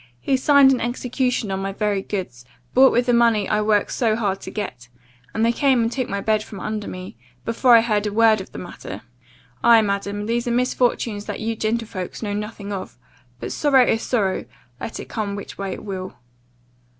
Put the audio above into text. he signed an execution on my very goods, bought with the money I worked so hard to get; and they came and took my bed from under me, before I heard a word of the matter. Aye, madam, these are misfortunes that you gentlefolks know nothing of, but sorrow is sorrow, let it come which way it will.